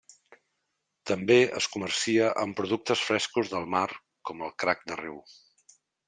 També es comercia amb productes frescos del mar com el crac de riu.